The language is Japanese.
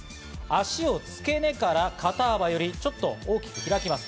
足を付け根から肩幅よりちょっと大きく開きます。